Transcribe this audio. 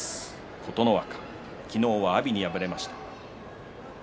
琴ノ若、昨日は阿炎に敗れました。